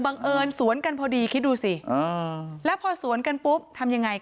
บังเอิญสวนกันพอดีคิดดูสิแล้วพอสวนกันปุ๊บทำยังไง